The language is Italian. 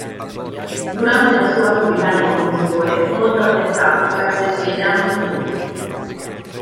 Durante la sua attività di compositore fu molto apprezzato grazie ai suoi drammi giocosi.